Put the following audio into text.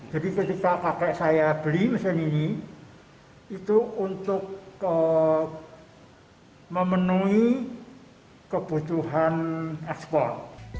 jadi ketika kakek saya beli mesin ini itu untuk memenuhi kebutuhan ekspor